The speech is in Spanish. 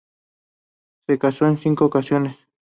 Se casó en cinco ocasiones.